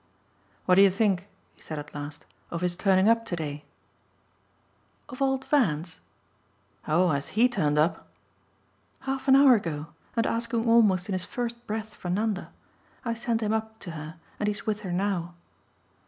"What do you think," he said at last, "of his turning up to day?" "Of old Van's?" "Oh has HE turned up?" "Half an hour ago, and asking almost in his first breath for Nanda. I sent him up to her and he's with her now."